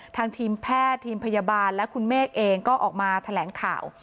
ทางทีมแพทย์ทีมพยาบาลและคุณเมฆเองก็ออกมาแถลงข่าว